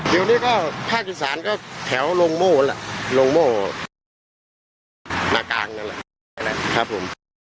เดี๋ยวนี้ก็ภาคอีสานก็แถวลงโม่แหละลงโม่มากลางนั่นแหละครับผม